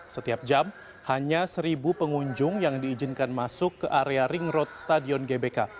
setiap jam hanya seribu pengunjung yang diizinkan masuk ke area ring road stadion gbk